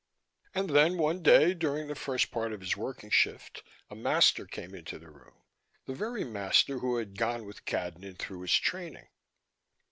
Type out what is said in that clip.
And then, one day during the first part of his working shift, a master came into the room, the very master who had gone with Cadnan through his training.